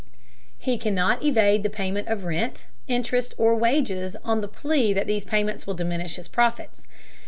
He cannot evade the payment of rent, interest, or wages on the plea that these payments will diminish his profits.